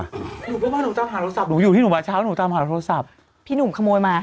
หนูก็มาย้าตามหาโทรศัพท์หนูอยู่ที่หนูมาเช้าหนูตามหาโทรศัพท์